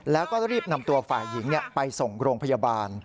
แล้วก็รีบนำตัวฝ่ายหญิงไปส่งโรงพยาบาล